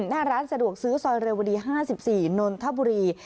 หน้าร้านสะดวกซื้อซอยเรวดี๕๔นนทบุรี